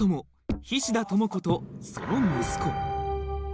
菱田朋子とその息子